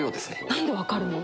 なんで分かるの？